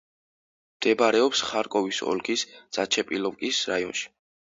მდებარეობს ხარკოვის ოლქის ზაჩეპილოვკის რაიონში.